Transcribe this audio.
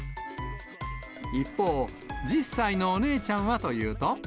一方、１０歳のお姉ちゃんはというと。